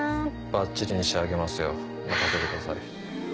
ばっちりに仕上げますよ任せてください。